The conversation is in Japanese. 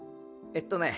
えっとね